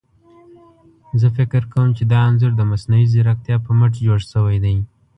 زه فکر کوم چي دا انځور ده مصنوعي ځيرکتيا په مټ جوړ شوي دي.